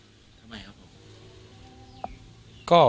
ทำไมครับ